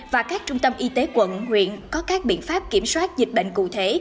và các trung tâm y tế quận huyện có các biện pháp kiểm soát dịch bệnh cụ thể